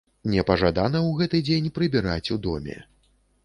Непажадана ў гэты дзень прыбіраць у доме.